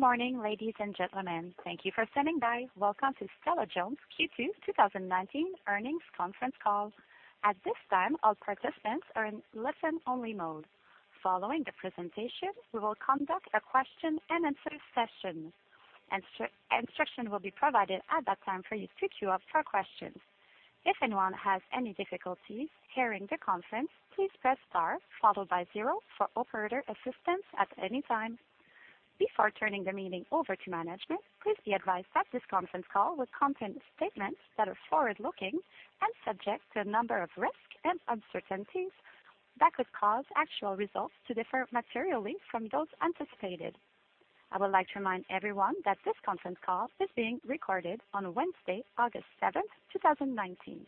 Good morning, ladies and gentlemen. Thank you for standing by. Welcome to Stella-Jones Q2 2019 earnings conference call. At this time, all participants are in listen-only mode. Following the presentation, we will conduct a question and answer session. Instruction will be provided at that time for you to queue up for questions. If anyone has any difficulties hearing the conference, please press star, followed by zero for operator assistance at any time. Before turning the meeting over to management, please be advised that this conference call will contain statements that are forward-looking and subject to a number of risks and uncertainties that could cause actual results to differ materially from those anticipated. I would like to remind everyone that this conference call is being recorded on Wednesday, August 7, 2019.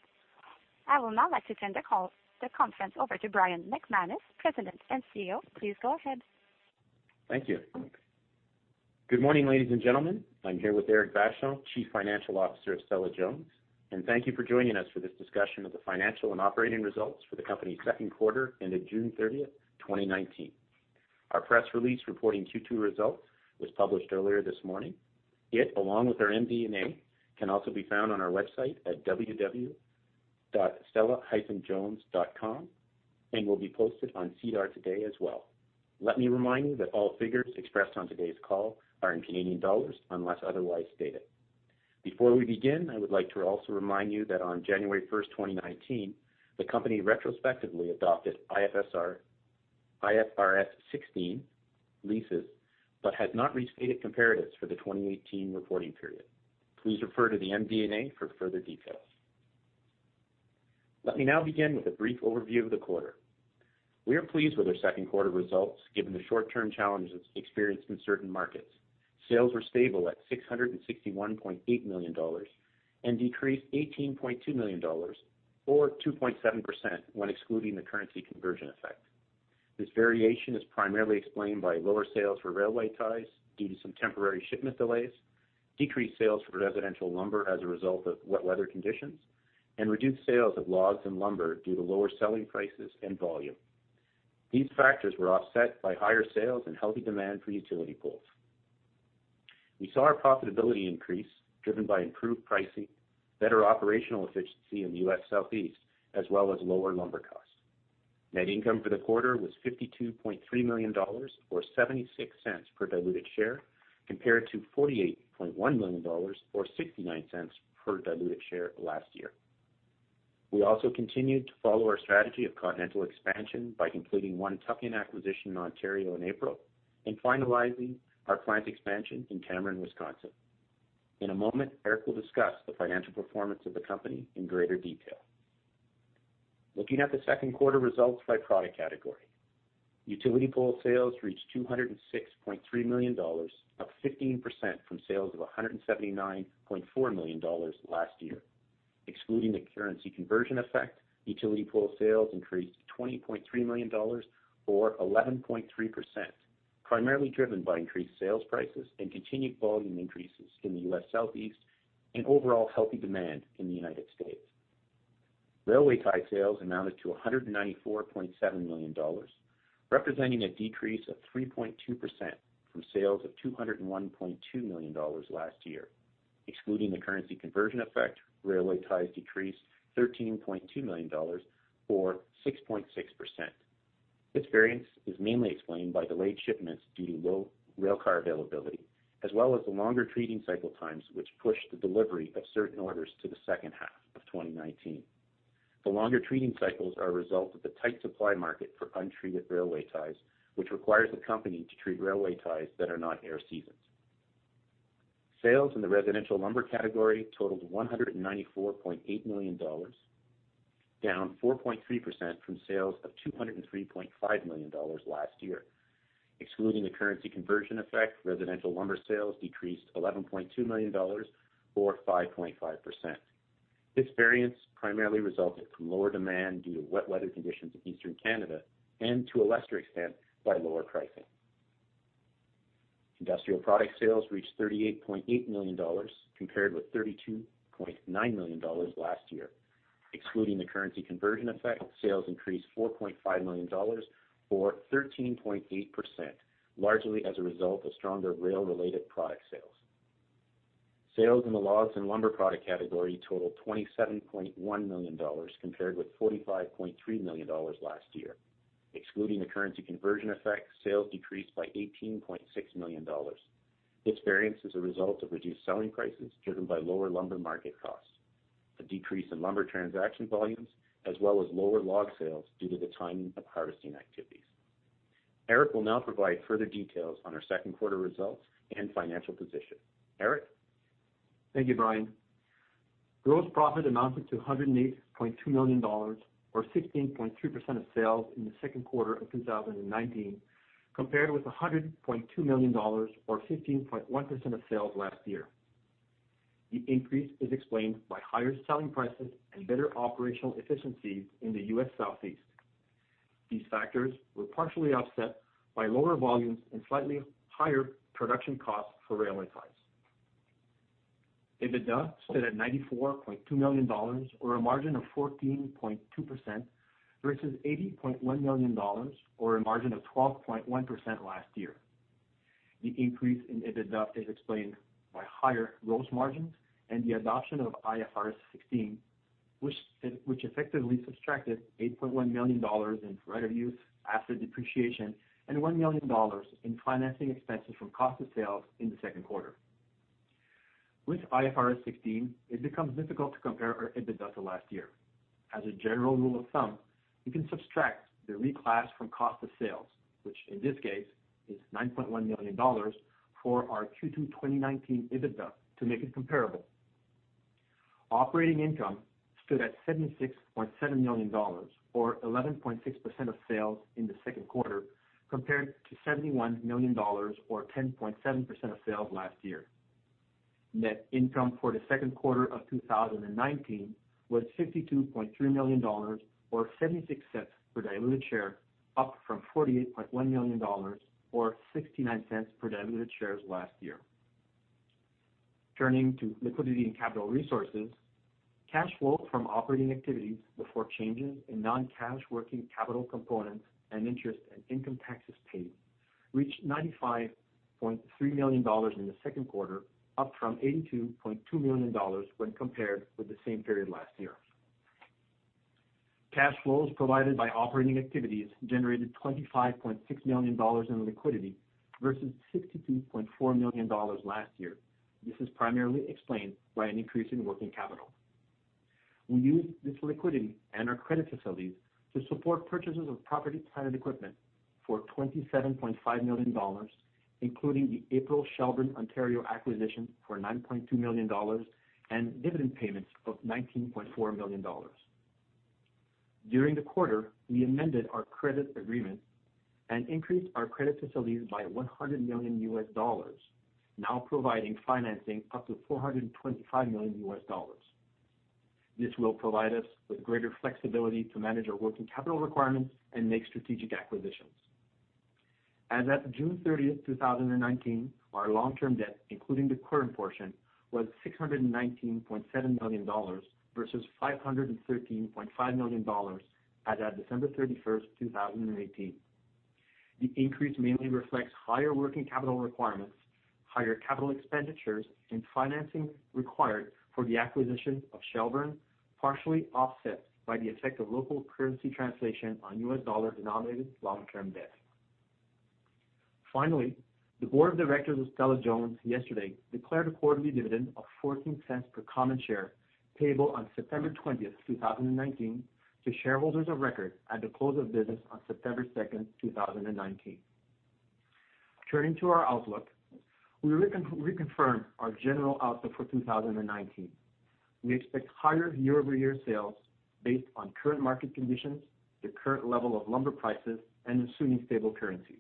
I would now like to turn the conference over to Brian McManus, President and Chief Executive Officer. Please go ahead. Thank you. Good morning, ladies and gentlemen. I'm here with Éric Vachon, Chief Financial Officer of Stella-Jones, and thank you for joining us for this discussion of the financial and operating results for the company's second quarter ended June 30th, 2019. Our press release reporting Q2 results was published earlier this morning. It, along with our MD&A, can also be found on our website at www.stella-jones.com and will be posted on SEDAR today as well. Let me remind you that all figures expressed on today's call are in Canadian dollars, unless otherwise stated. Before we begin, I would like to also remind you that on January 1st, 2019, the company retrospectively adopted IFRS 16 leases but has not restated comparatives for the 2018 reporting period. Please refer to the MD&A for further details. Let me now begin with a brief overview of the quarter. We are pleased with our second quarter results, given the short-term challenges experienced in certain markets. Sales were stable at 661.8 million dollars and decreased 18.2 million dollars or 2.7% when excluding the currency conversion effect. This variation is primarily explained by lower sales for railway ties due to some temporary shipment delays, decreased sales for residential lumber as a result of wet weather conditions, and reduced sales of logs and lumber due to lower selling prices and volume. These factors were offset by higher sales and healthy demand for utility poles. We saw our profitability increase driven by improved pricing, better operational efficiency in the U.S. Southeast, as well as lower lumber costs. Net income for the quarter was 52.3 million dollars, or 0.76 per diluted share, compared to 48.1 million dollars or 0.69 per diluted share last year. We also continued to follow our strategy of continental expansion by completing one tuck-in acquisition in Ontario in April and finalizing our plant expansion in Cameron, Wisconsin. In a moment, Éric will discuss the financial performance of the company in greater detail. Looking at the second quarter results by product category. Utility pole sales reached 206.3 million dollars, up 15% from sales of 179.4 million dollars last year. Excluding the currency conversion effect, utility pole sales increased to 20.3 million dollars, or 11.3%, primarily driven by increased sales prices and continued volume increases in the U.S. Southeast and overall healthy demand in the United States. Railway tie sales amounted to 194.7 million dollars, representing a decrease of 3.2% from sales of 201.2 million dollars last year. Excluding the currency conversion effect, railway ties decreased 13.2 million dollars, or 6.6%. This variance is mainly explained by delayed shipments due to low railcar availability, as well as the longer treating cycle times, which pushed the delivery of certain orders to the second half of 2019. The longer treating cycles are a result of the tight supply market for untreated railway ties, which requires the company to treat railway ties that are not air seasoned. Sales in the residential lumber category totaled 194.8 million dollars, down 4.3% from sales of 203.5 million dollars last year. Excluding the currency conversion effect, residential lumber sales decreased 11.2 million dollars or 5.5%. This variance primarily resulted from lower demand due to wet weather conditions in Eastern Canada and to a lesser extent, by lower pricing. Industrial product sales reached 38.8 million dollars, compared with 32.9 million dollars last year. Excluding the currency conversion effect, sales increased 4.5 million dollars or 13.8%, largely as a result of stronger rail-related product sales. Sales in the logs and lumber product category totaled 27.1 million dollars, compared with 45.3 million dollars last year. Excluding the currency conversion effect, sales decreased by 18.6 million dollars. This variance is a result of reduced selling prices driven by lower lumber market costs, a decrease in lumber transaction volumes, as well as lower log sales due to the timing of harvesting activities. Éric will now provide further details on our second quarter results and financial position. Éric? Thank you, Brian. Gross profit amounted to 108.2 million dollars, or 16.3% of sales in the second quarter of 2019, compared with 100.2 million dollars or 15.1% of sales last year. The increase is explained by higher selling prices and better operational efficiencies in the U.S. Southeast. These factors were partially offset by lower volumes and slightly higher production costs for railway ties. EBITDA stood at 94.2 million dollars or a margin of 14.2% versus 80.1 million dollars or a margin of 12.1% last year. The increase in EBITDA is explained by higher gross margins and the adoption of IFRS 16, which effectively subtracted 8.1 million dollars in credit use, asset depreciation, and 1 million dollars in financing expenses from cost of sales in the second quarter. With IFRS 16, it becomes difficult to compare our EBITDA to last year. As a general rule of thumb, you can subtract the reclass from cost of sales, which in this case is CAD 9.1 million for our Q2 2019 EBITDA to make it comparable. Operating income stood at 76.7 million dollars or 11.6% of sales in the second quarter, compared to 71 million dollars or 10.7% of sales last year. Net income for the second quarter of 2019 was 52.3 million dollars or 0.76 per diluted share, up from 48.1 million dollars or 0.69 per diluted shares last year. Turning to liquidity and capital resources, cash flow from operating activities before changes in non-cash working capital components and interest and income taxes paid reached 95.3 million dollars in the second quarter, up from 82.2 million dollars when compared with the same period last year. Cash flows provided by operating activities generated 25.6 million dollars in liquidity versus 62.4 million dollars last year. This is primarily explained by an increase in working capital. We used this liquidity and our credit facilities to support purchases of property, plant, and equipment for 27.5 million dollars, including the April Shelburne, Ontario acquisition for 9.2 million dollars and dividend payments of 19.4 million dollars. During the quarter, we amended our credit agreement and increased our credit facilities by CAD 100 million, now providing financing up to $425 million USD. This will provide us with greater flexibility to manage our working capital requirements and make strategic acquisitions. As at June 30th, 2019, our long-term debt, including the current portion, was 619.7 million dollars versus 513.5 million dollars as at December 31st, 2018. The increase mainly reflects higher working capital requirements, higher capital expenditures, and financing required for the acquisition of Shelburne, partially offset by the effect of local currency translation on U.S. dollar-denominated long-term debt. Finally, the board of directors of Stella-Jones yesterday declared a quarterly dividend of 0.14 per common share, payable on September 20th, 2019, to shareholders of record at the close of business on September 2nd, 2019. Turning to our outlook, we reconfirm our general outlook for 2019. We expect higher year-over-year sales based on current market conditions, the current level of lumber prices, and assuming stable currencies.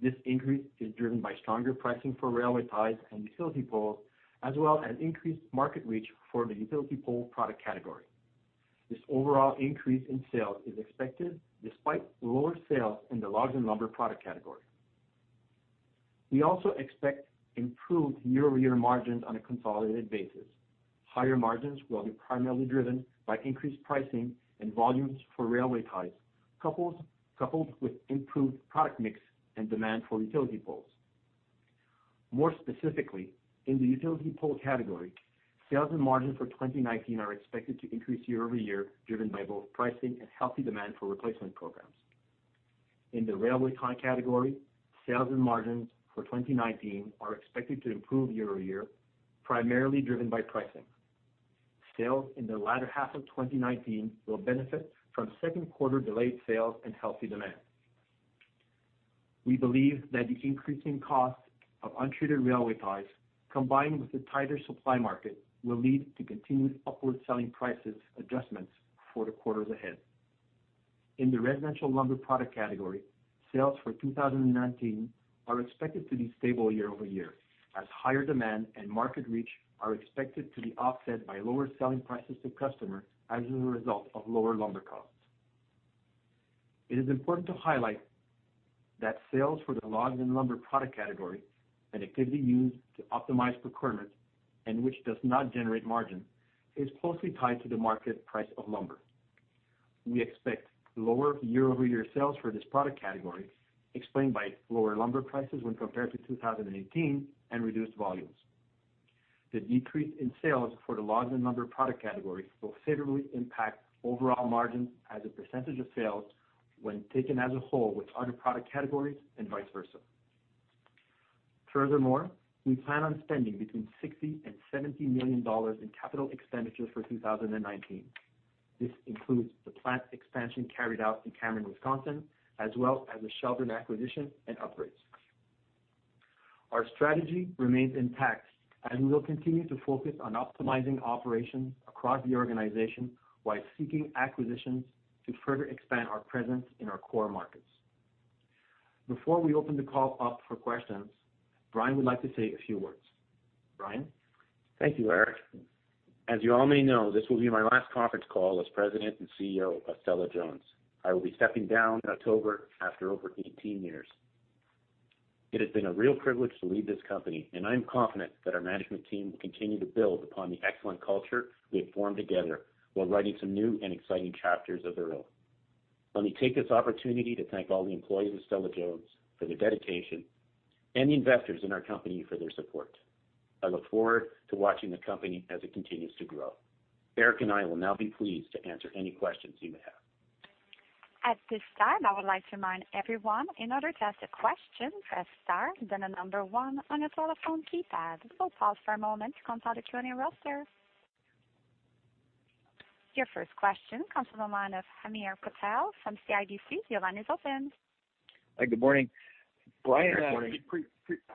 This increase is driven by stronger pricing for railway ties and utility poles, as well as increased market reach for the utility pole product category. This overall increase in sales is expected despite lower sales in the logs and lumber product category. We also expect improved year-over-year margins on a consolidated basis. Higher margins will be primarily driven by increased pricing and volumes for railway ties, coupled with improved product mix and demand for utility poles. More specifically, in the utility pole category, sales and margins for 2019 are expected to increase year-over-year, driven by both pricing and healthy demand for replacement programs. In the railway tie category, sales and margins for 2019 are expected to improve year-over-year, primarily driven by pricing. Sales in the latter half of 2019 will benefit from second quarter delayed sales and healthy demand. We believe that the increasing cost of untreated railway ties, combined with the tighter supply market, will lead to continued upward selling prices adjustments for the quarters ahead. In the residential lumber product category, sales for 2019 are expected to be stable year-over-year, as higher demand and market reach are expected to be offset by lower selling prices to customers as a result of lower lumber costs. It is important to highlight that sales for the logs and lumber product category, an activity used to optimize procurement and which does not generate margin, is closely tied to the market price of lumber. We expect lower year-over-year sales for this product category, explained by lower lumber prices when compared to 2018 and reduced volumes. The decrease in sales for the logs and lumber product category will favorably impact overall margins as a percentage of sales when taken as a whole with other product categories and vice versa. Furthermore, we plan on spending between 60 million and 70 million dollars in capital expenditures for 2019. This includes the plant expansion carried out in Cameron, Wisconsin, as well as the Shelburne acquisition and upgrades. Our strategy remains intact as we will continue to focus on optimizing operations across the organization while seeking acquisitions to further expand our presence in our core markets. Before we open the call up for questions, Brian would like to say a few words. Brian? Thank you, Éric. As you all may know, this will be my last conference call as President and CEO of Stella-Jones. I will be stepping down in October after over 18 years. It has been a real privilege to lead this company, and I am confident that our management team will continue to build upon the excellent culture we have formed together while writing some new and exciting chapters of their own. Let me take this opportunity to thank all the employees of Stella-Jones for their dedication and the investors in our company for their support. I look forward to watching the company as it continues to grow. Éric and I will now be pleased to answer any questions you may have. At this time, I would like to remind everyone, in order to ask a question, press star then the number 1 on your telephone keypad. We'll pause for a moment to consolidate your in queue. Your first question comes from the line of Hamir Patel from CIBC. Your line is open. Good morning. Good morning. You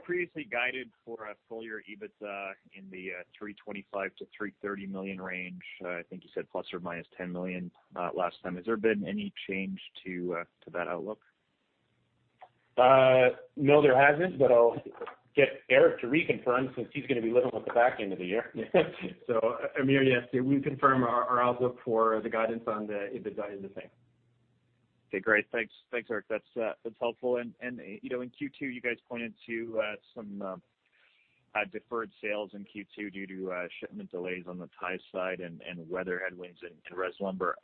previously guided for a full year EBITDA in the 325 million-330 million range. I think you said ±10 million last time. Has there been any change to that outlook? No, there hasn't. I'll get Éric to reconfirm since he's going to be living with the back end of the year. Hamir, yes. We confirm our outlook for the guidance on the EBITDA is the same. Okay, great. Thanks, Éric. That's helpful. In Q2, you guys pointed to some deferred sales in Q2 due to shipment delays on the tie side and weather headwinds in res lumber.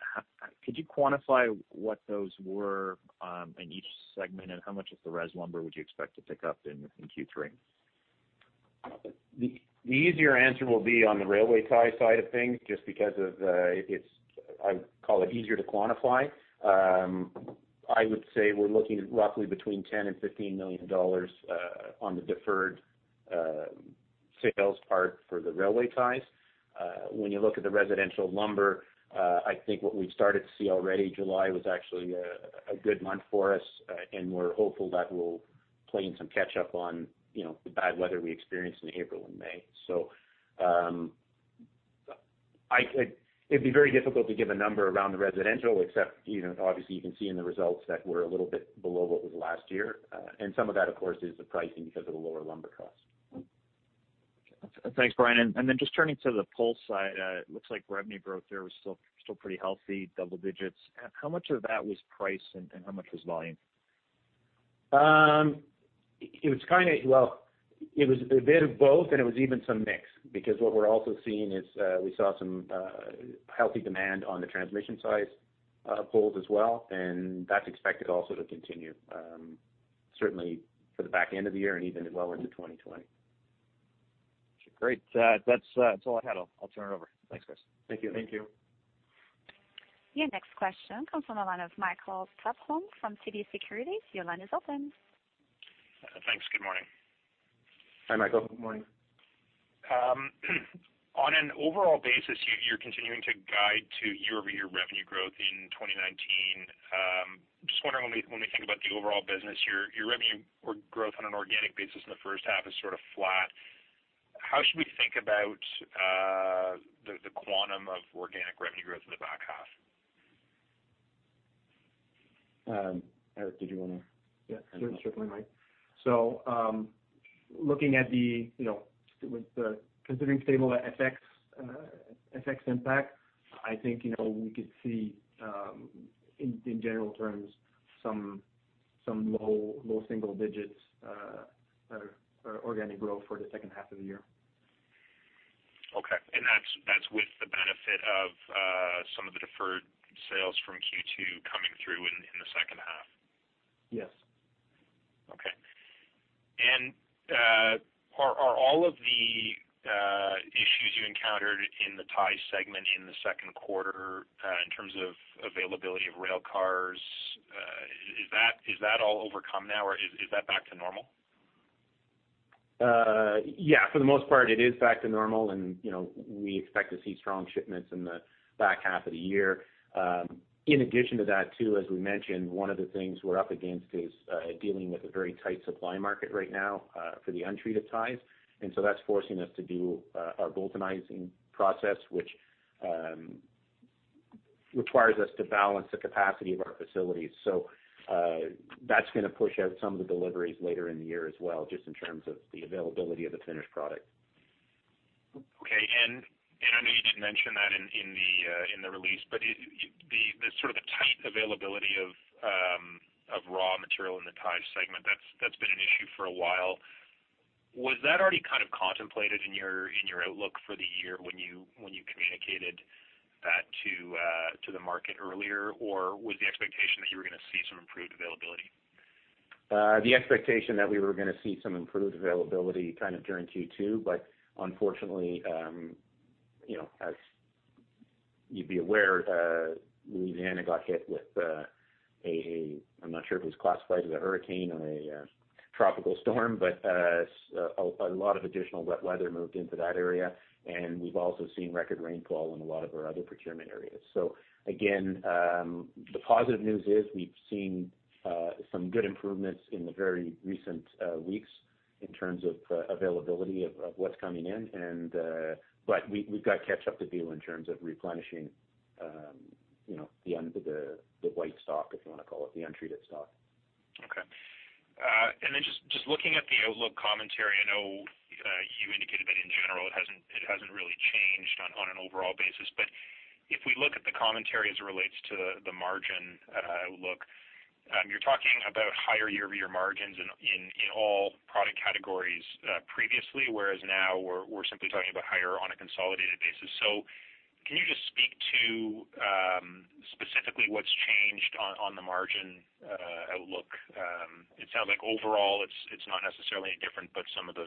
Could you quantify what those were in each segment, and how much of the res lumber would you expect to pick up in Q3? The easier answer will be on the railway tie side of things, just because it's, I'd call it easier to quantify. I would say we're looking at roughly between 10 million and 15 million dollars on the deferred sales part for the railway ties. When you look at the residential lumber, I think what we've started to see already, July was actually a good month for us, and we're hopeful that we'll play some catch-up on the bad weather we experienced in April and May. It'd be very difficult to give a number around the residential, except, obviously you can see in the results that we're a little bit below what was last year. Some of that, of course, is the pricing because of the lower lumber cost. Thanks, Brian. Just turning to the pole side, it looks like revenue growth there was still pretty healthy, double digits. How much of that was price and how much was volume? Well, it was a bit of both, and it was even some mix, because what we're also seeing is we saw some healthy demand on the transmission side poles as well, and that's expected also to continue, certainly for the back end of the year and even well into 2020. Great. That's all I had. I'll turn it over. Thanks, guys. Thank you. Thank you. Your next question comes from the line of Michael Tupholme from TD Securities. Your line is open. Thanks. Good morning. Hi, Michael. Good morning. On an overall basis, you're continuing to guide to year-over-year revenue growth in 2019. Just wondering when we think about the overall business, your revenue or growth on an organic basis in the first half is sort of flat. How should we think about the quantum of organic revenue growth in the back half? Éric, did you want to? Yeah, sure. Certainly, Mike. Considering stable FX impact, I think we could see, in general terms, some low single digits organic growth for the second half of the year. Okay. That's with the benefit of some of the deferred sales from Q2 coming through in the second half? Yes. Okay. Are all of the issues you encountered in the tie segment in the second quarter, in terms of availability of rail cars, is that all overcome now, or is that back to normal? Yeah, for the most part, it is back to normal and we expect to see strong shipments in the back half of the year. In addition to that, too, as we mentioned, one of the things we're up against is dealing with a very tight supply market right now for the untreated ties. That's forcing us to do our Boultonizing process, which requires us to balance the capacity of our facilities. That's going to push out some of the deliveries later in the year as well, just in terms of the availability of the finished product. Okay. I know you didn't mention that in the release, but the sort of tight availability of raw material in the tie segment, that's been an issue for a while. Was that already kind of contemplated in your outlook for the year when you communicated that to the market earlier? Was the expectation that you were going to see some improved availability? The expectation that we were going to see some improved availability kind of during Q2. Unfortunately, as you'd be aware, Louisiana got hit with a I'm not sure if it was classified as a hurricane or a tropical storm, but a lot of additional wet weather moved into that area. We've also seen record rainfall in a lot of our other procurement areas. Again, the positive news is we've seen some good improvements in the very recent weeks in terms of availability of what's coming in. We've got catch-up to do in terms of replenishing the white stock, if you want to call it, the untreated stock. Okay. Just looking at the outlook commentary, I know in general, it hasn't really changed on an overall basis. If we look at the commentary as it relates to the margin outlook, you're talking about higher year-over-year margins in all product categories previously, whereas now we're simply talking about higher on a consolidated basis. Can you just speak to specifically what's changed on the margin outlook? It sounds like overall it's not necessarily any different, but some of the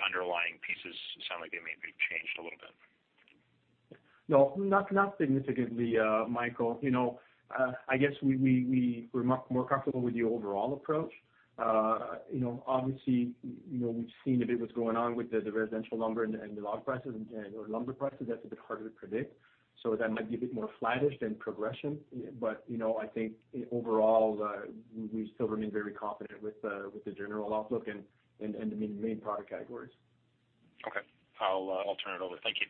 underlying pieces sound like they maybe have changed a little bit. No, not significantly, Michael. I guess we're more comfortable with the overall approach. Obviously, we've seen a bit what's going on with the residential lumber and the log prices or lumber prices. That's a bit harder to predict. That might be a bit more flattish than progression. I think overall, we still remain very confident with the general outlook and the main product categories. Okay. I'll turn it over. Thank you.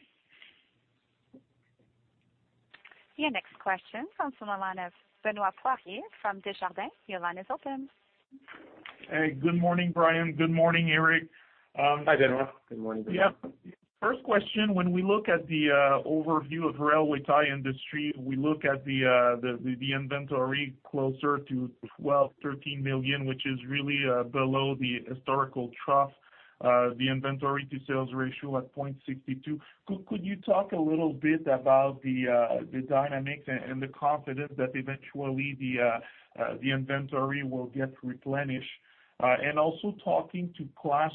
Your next question comes from the line of Benoit Poirier from Desjardins. Your line is open. Hey, good morning, Brian. Good morning, Éric. Hi, Benoit. Good morning. Yeah. First question, when we look at the overview of railway tie industry, we look at the inventory closer to 12, 13 million, which is really below the historical trough, the inventory to sales ratio at 0.62. Could you talk a little bit about the dynamics and the confidence that eventually the inventory will get replenished? Also talking to Class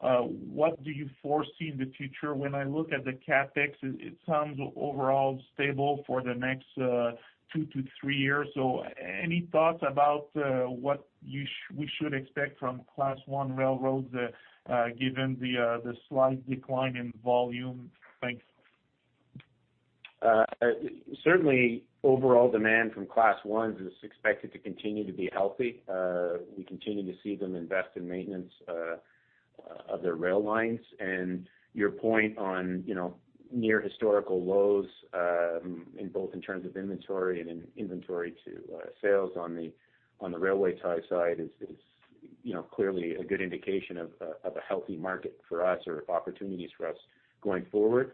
I, what do you foresee in the future? When I look at the CapEx, it sounds overall stable for the next two to three years. Any thoughts about what we should expect from Class I railroads given the slight decline in volume? Thanks. Certainly, overall demand from Class Is is expected to continue to be healthy. We continue to see them invest in maintenance of their rail lines. Your point on near historical lows in terms of inventory and inventory to sales on the railway tie side is clearly a good indication of a healthy market for us or opportunities for us going forward.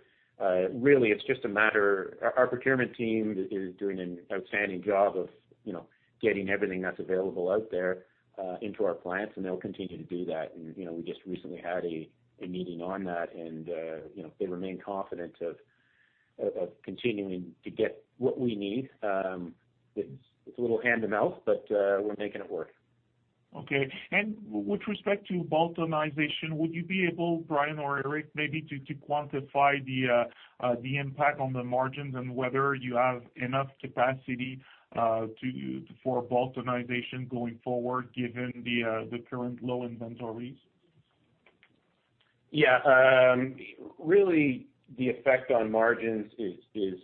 Really, our procurement team is doing an outstanding job of getting everything that's available out there into our plants, and they'll continue to do that. We just recently had a meeting on that, and they remain confident of continuing to get what we need. It's a little hand-to-mouth, but we're making it work. Okay. With respect to Boultonization, would you be able, Brian or Éric, maybe to quantify the impact on the margins and whether you have enough capacity for Boultonization going forward given the current low inventories? Really, the effect on margins is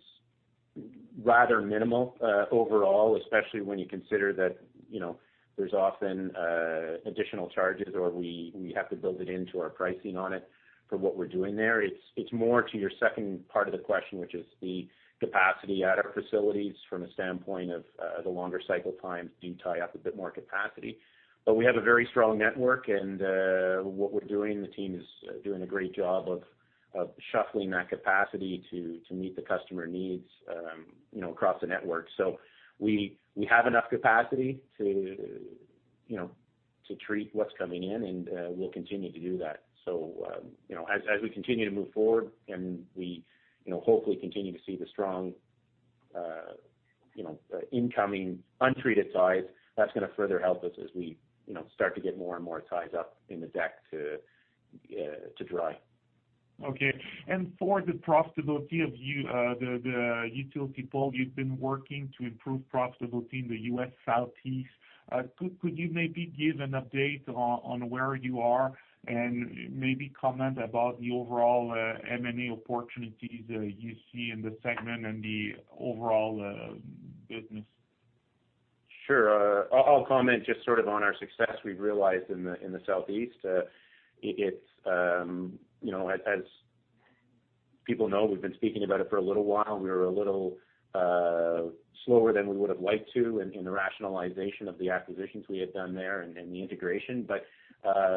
rather minimal overall, especially when you consider that there's often additional charges or we have to build it into our pricing on it for what we're doing there. It's more to your second part of the question, which is the capacity at our facilities from a standpoint of the longer cycle times do tie up a bit more capacity. We have a very strong network and what we're doing, the team is doing a great job of shuffling that capacity to meet the customer needs across the network. We have enough capacity to treat what's coming in, and we'll continue to do that. As we continue to move forward and we hopefully continue to see the strong incoming untreated ties, that's going to further help us as we start to get more and more ties up in the deck to dry. Okay. For the profitability of the utility pole, you've been working to improve profitability in the U.S. Southeast. Could you maybe give an update on where you are and maybe comment about the overall M&A opportunities you see in the segment and the overall business? Sure. I'll comment just sort of on our success we've realized in the Southeast. As people know, we've been speaking about it for a little while. We were a little slower than we would have liked to in the rationalization of the acquisitions we had done there and the integration.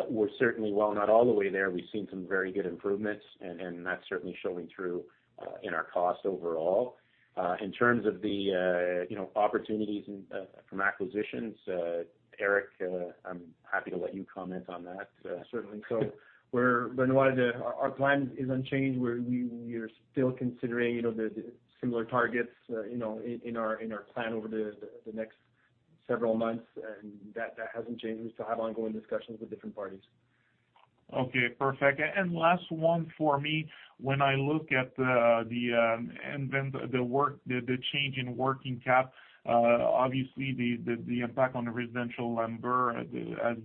We're certainly, while not all the way there, we've seen some very good improvements, and that's certainly showing through in our cost overall. In terms of the opportunities from acquisitions, Éric, I'm happy to let you comment on that. Certainly. Benoit, our plan is unchanged. We're still considering the similar targets in our plan over the next several months, that hasn't changed. We still have ongoing discussions with different parties. Okay, perfect. Last one for me. When I look at the change in working cap, obviously the impact on the residential lumber has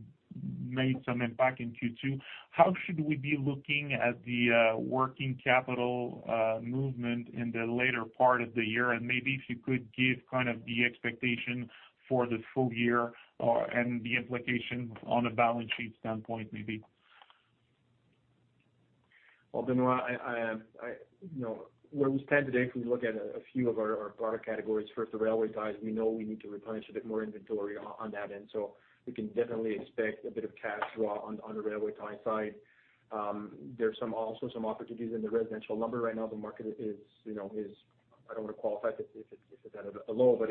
made some impact in Q2. How should we be looking at the working capital movement in the later part of the year? Maybe if you could give kind of the expectation for the full year and the implication on a balance sheet standpoint, maybe. Although, Benoit, where we stand today, if we look at a few of our product categories, first the railway ties, we know we need to replenish a bit more inventory on that end. We can definitely expect a bit of cash draw on the railway tie side. There's also some opportunities in the residential lumber. Right now the market is, I don't want to qualify if it's at a low, but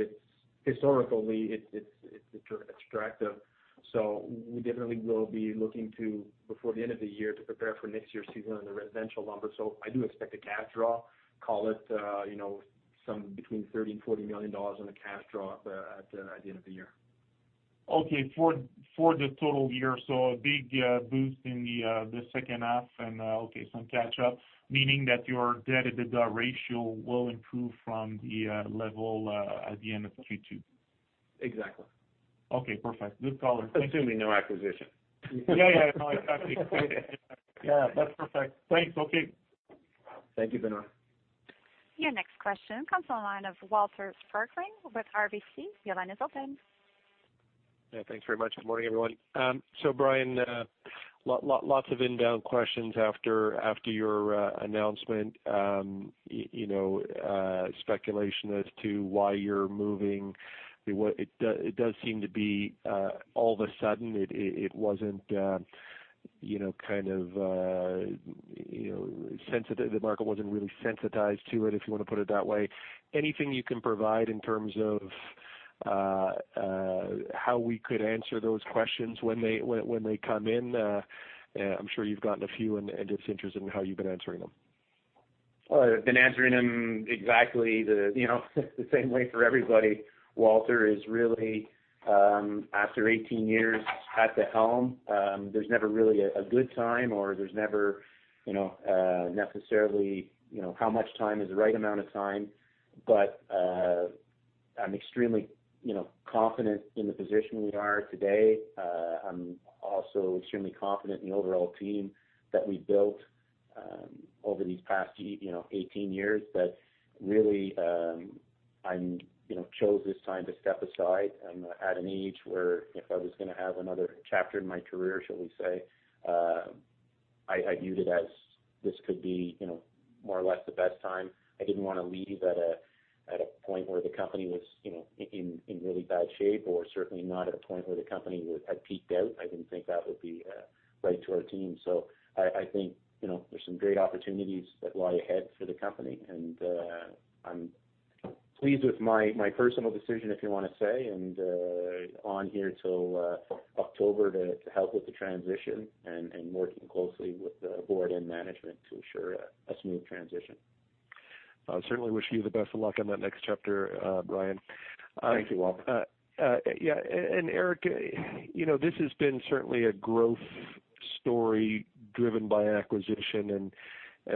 historically it's attractive. We definitely will be looking to, before the end of the year, to prepare for next year's season on the residential lumber. I do expect a cash draw, call it between 30 million and 40 million dollars on the cash draw at the end of the year. Okay. For the total year, a big boost in the second half and some catch up, meaning that your debt-EBITDA ratio will improve from the level at the end of Q2. Exactly. Okay, perfect. Good color. Assuming no acquisition. Yeah. No, exactly. That's perfect. Thanks. Okay. Thank you, Benoit. Your next question comes on the line of Walter Spracklin with RBC. Your line is open. Yeah, thanks very much. Good morning, everyone. Brian, lots of inbound questions after your announcement. Speculation as to why you're moving. It does seem to be all of a sudden. The market wasn't really sensitized to it, if you want to put it that way. Anything you can provide in terms of how we could answer those questions when they come in? I'm sure you've gotten a few, and just interested in how you've been answering them. I've been answering them exactly the same way for everybody, Walter, is really after 18 years at the helm, there's never really a good time or there's never necessarily, how much time is the right amount of time. I'm extremely confident in the position we are today. I'm also extremely confident in the overall team that we've built over these past 18 years. Really, I chose this time to step aside. I'm at an age where if I was going to have another chapter in my career, shall we say, I viewed it as this could be more or less the best time. I didn't want to leave at a point where the company was in really bad shape, or certainly not at a point where the company had peaked out. I didn't think that would be right to our team. I think there's some great opportunities that lie ahead for the company, and I'm pleased with my personal decision, if you want to say, and on here till October to help with the transition and working closely with the board and management to ensure a smooth transition. I certainly wish you the best of luck on that next chapter, Brian. Thank you, Walter. Yeah. Éric, this has been certainly a growth story driven by acquisition,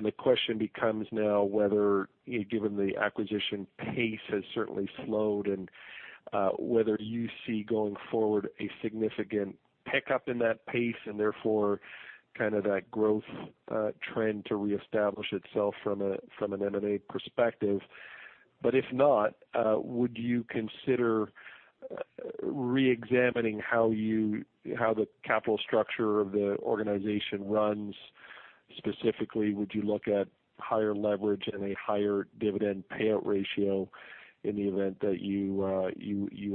the question becomes now whether, given the acquisition pace has certainly slowed, and whether you see going forward a significant pickup in that pace and therefore kind of that growth trend to reestablish itself from an M&A perspective. If not, would you consider re-examining how the capital structure of the organization runs? Specifically, would you look at higher leverage and a higher dividend payout ratio in the event that you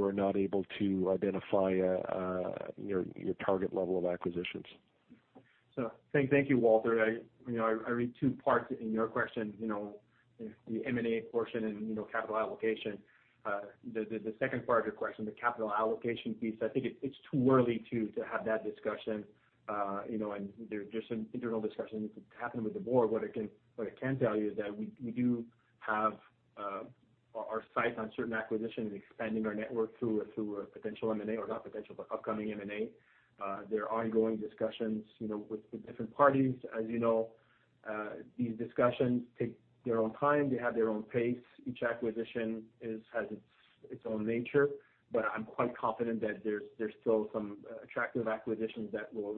are not able to identify your target level of acquisitions? Thank you, Walter. I read two parts in your question, the M&A portion and capital allocation. The second part of your question, the capital allocation piece, I think it's too early to have that discussion. There's some internal discussions happening with the board. What I can tell you is that we do have our sights on certain acquisitions and expanding our network through a potential M&A, or not potential, but upcoming M&A. There are ongoing discussions with the different parties. As you know, these discussions take their own time. They have their own pace. Each acquisition has its own nature. I'm quite confident that there's still some attractive acquisitions that will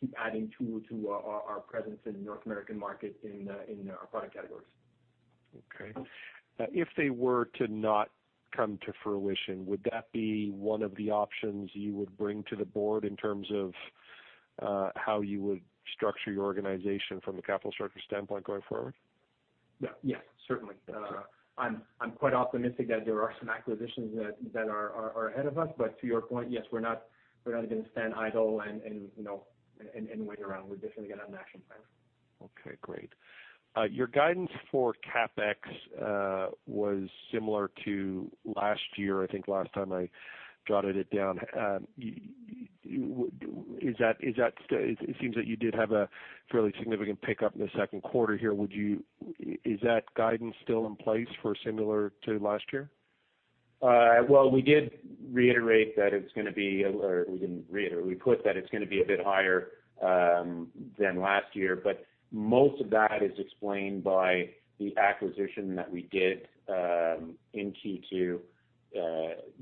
keep adding to our presence in the North American market in our product categories. Okay. If they were to not come to fruition, would that be one of the options you would bring to the board in terms of how you would structure your organization from a capital structure standpoint going forward? Yes, certainly. Okay. I'm quite optimistic that there are some acquisitions that are ahead of us. To your point, yes, we're not going to stand idle and wait around. We definitely got an action plan. Okay, great. Your guidance for CapEx was similar to last year, I think last time I jotted it down. It seems that you did have a fairly significant pickup in the second quarter here. Is that guidance still in place for similar to last year? Well, we did reiterate that it's going to be, or we didn't reiterate, we put that it's going to be a bit higher than last year, but most of that is explained by the acquisition that we did in Q2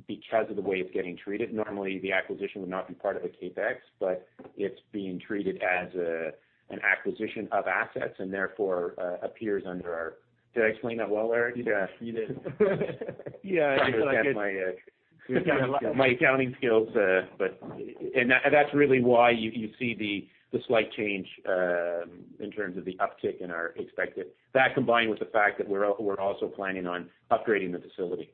because of the way it's getting treated. Normally, the acquisition would not be part of a CapEx, but it's being treated as an acquisition of assets and therefore appears under our. Did I explain that well, Éric? Yes, you did. Probably the best way My accounting skills. That's really why you see the slight change in terms of the uptick in our expected. That, combined with the fact that we're also planning on upgrading the facility.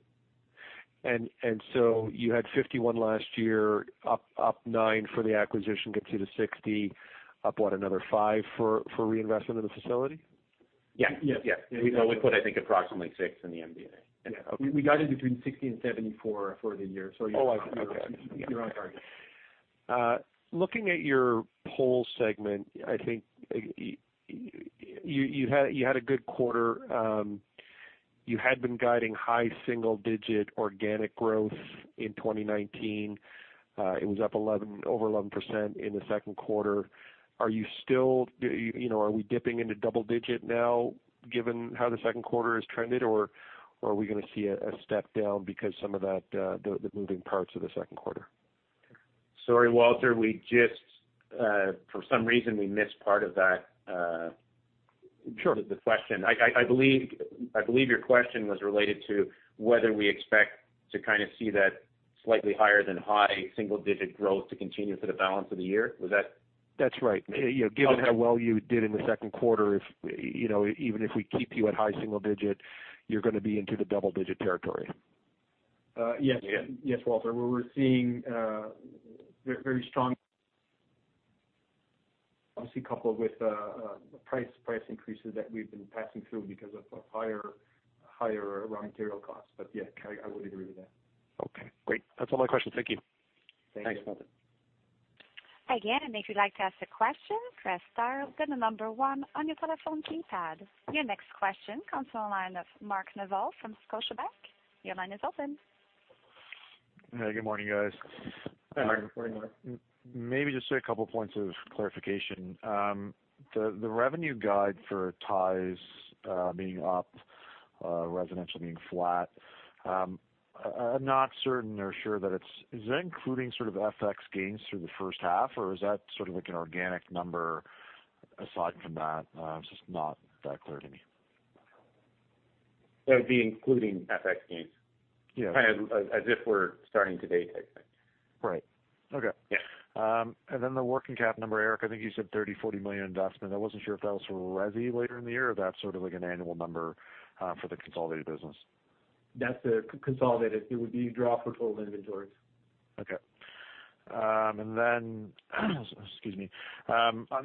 You had 51 last year, up nine for the acquisition, gets you to 60, up what, another five for reinvestment in the facility? We put I think approximately six in the MD&A. Okay. We guided between 60 and 70 for the year, so you're on target. Looking at your whole segment, I think you had a good quarter. You had been guiding high single-digit organic growth in 2019. It was up over 11% in the second quarter. Are we dipping into double-digit now given how the second quarter has trended, or are we going to see a step down because some of the moving parts of the second quarter? Sorry, Walter, for some reason, we missed part of the question. Sure. I believe your question was related to whether we expect to kind of see that slightly higher than high single-digit growth to continue for the balance of the year. Was that? That's right. Given how well you did in the second quarter, even if we keep you at high single digit, you're going to be into the double-digit territory. Yes, Walter. We're seeing very strong, obviously coupled with price increases that we've been passing through because of higher raw material costs. Yes, I would agree with that. Okay, great. That's all my questions. Thank you. Thanks. Thanks, Walter. Again, if you'd like to ask a question, press star, then the number one on your telephone keypad. Your next question comes from the line of Mark Neville from Scotiabank. Your line is open. Hey, good morning, guys. Hi, Mark. Good morning, Mark. Maybe just a couple points of clarification. The revenue guide for ties being up, residential being flat. Is that including sort of FX gains through the first half, or is that sort of like an organic number aside from that? It's just not that clear to me. That would be including FX gains. Yeah. As if we're starting today type thing. Right. Okay. Yeah. The working cap number, Éric, I think you said 30 million, 40 million investment. I wasn't sure if that was for resi later in the year, or that's sort of like an annual number for the consolidated business. That's consolidated. It would be draw for total inventories. Okay. On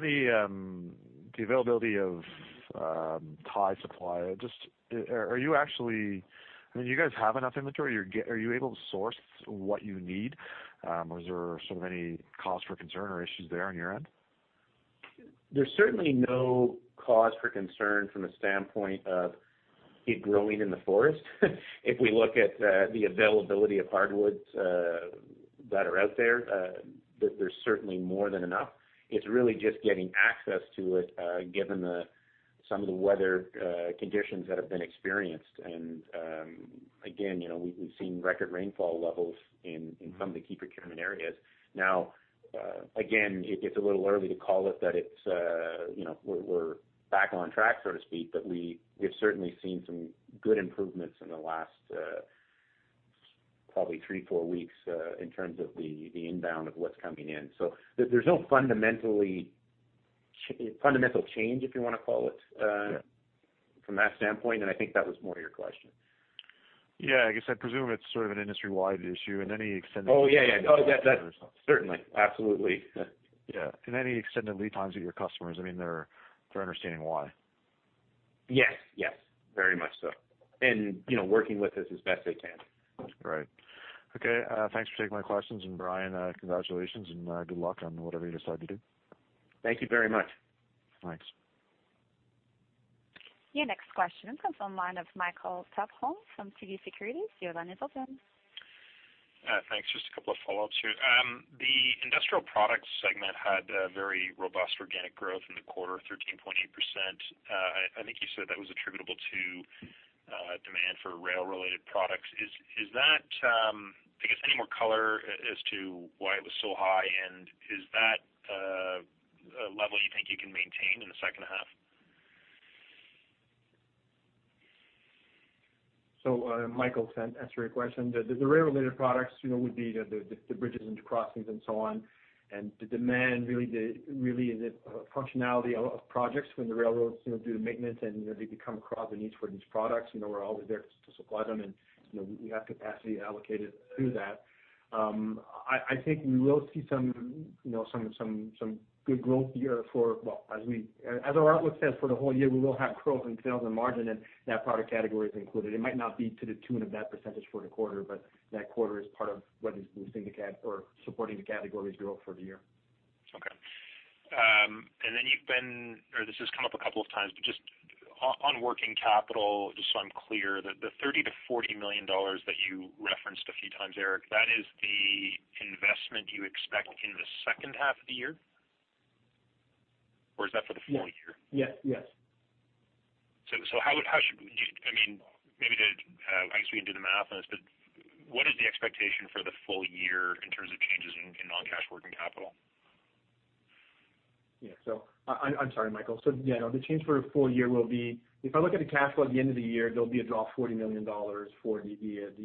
the availability of tie supply, I mean, do you guys have enough inventory? Are you able to source what you need? Is there sort of any cause for concern or issues there on your end? There's certainly no cause for concern from a standpoint of it growing in the forest. If we look at the availability of hardwoods that are out there's certainly more than enough. It's really just getting access to it given some of the weather conditions that have been experienced, and again, we've seen record rainfall levels in some of the key procurement areas. Again, it gets a little early to call it that we're back on track, so to speak, but we've certainly seen some good improvements in the last probably three, four weeks in terms of the inbound of what's coming in. There's no fundamental change, if you want to call it from that standpoint, and I think that was more your question. Yeah, I guess I presume it's sort of an industry-wide issue in any extended- Oh, yeah. Certainly. Absolutely. Yeah. In any extended lead times with your customers, they're understanding why. Yes. Very much so, working with us as best they can. Right. Okay, thanks for taking my questions. Brian, congratulations and good luck on whatever you decide to do. Thank you very much. Thanks. Your next question comes from the line of Michael Tupholme from TD Securities. Your line is open. Thanks. Just a couple of follow-ups here. The industrial products segment had a very robust organic growth in the quarter, 13.8%. I think you said that was attributable to demand for rail-related products. I guess, any more color as to why it was so high, and is that a level you think you can maintain in the second half? Michael, to answer your question, the rail-related products would be the bridges and crossings and so on, and the demand really is a functionality of projects when the railroads do the maintenance and they come across a need for these products. We're always there to supply them, and we have capacity allocated to that. I think we will see some good growth here for Well, as our outlook says, for the whole year, we will have growth in sales and margin, and that product category is included. It might not be to the tune of that percentage for the quarter, but that quarter is part of what is boosting or supporting the category growth for the year. Okay. This has come up a couple of times, but just on working capital, just so I'm clear, the 30 million-40 million dollars that you referenced a few times, Éric, that is the investment you expect in the second half of the year? Or is that for the full year? Yes. Maybe I just need to do the math on this, but what is the expectation for. Yeah. I'm sorry, Michael. Yeah, the change for a full year will be, if I look at the cash flow at the end of the year, there'll be a drop of 40 million dollars for the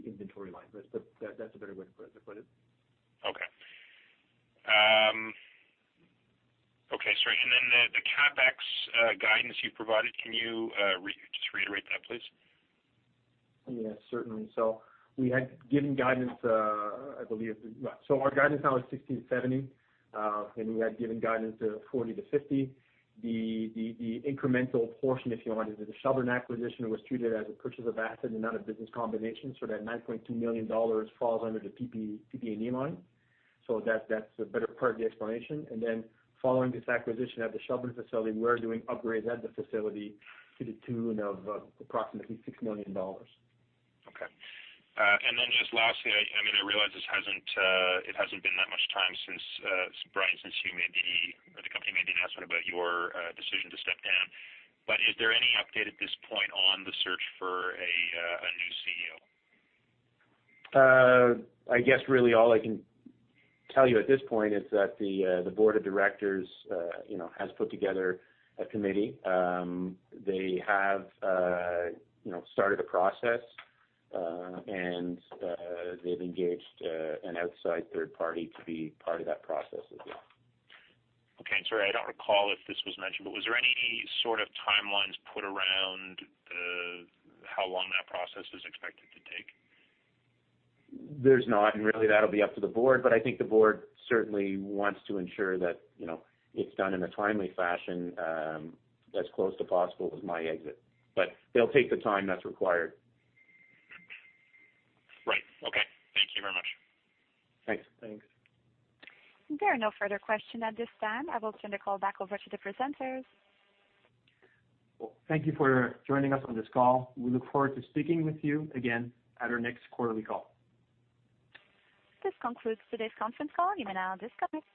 inventory line. That's a better way to put it. Okay. Sorry. The CapEx guidance you provided, can you just reiterate that, please? Yes, certainly. We had given guidance. Our guidance now is 16.70, and we had given guidance of 40-50. The incremental portion, if you want, is that the Shelburne acquisition was treated as a purchase of asset and not a business combination. That 9.2 million dollars falls under the PP&E line. That's a better part of the explanation. Following this acquisition at the Shelburne facility, we're doing upgrades at the facility to the tune of approximately 6 million dollars. Okay. Just lastly, I realize it hasn't been that much time since, Brian, since you maybe, or the company maybe announced about your decision to step down. Is there any update at this point on the search for a new CEO? I guess really all I can tell you at this point is that the board of directors has put together a committee. They have started a process, and they've engaged an outside third party to be part of that process as well. Sorry, I don't recall if this was mentioned, but was there any sort of timelines put around how long that process is expected to take? There's not, and really that'll be up to the board. I think the board certainly wants to ensure that it's done in a timely fashion, as close to possible with my exit. They'll take the time that's required. Right. Okay. Thank you very much. Thanks. Thanks. There are no further questions at this time. I will turn the call back over to the presenters. Well, thank you for joining us on this call. We look forward to speaking with you again at our next quarterly call. This concludes today's conference call. You may now disconnect.